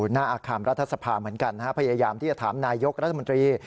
หน้าอาคารรัฐสภาเหมือนกันพยายามที่จะถามนายกรัฐมนตรี